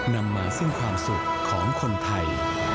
นำมาซึ่งความสุขของคนไทย